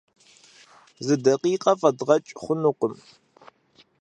Зы дакъикъэ фӀэдгъэкӀ хъунукъым.